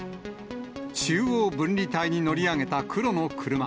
中央分離帯に乗り上げた黒の車。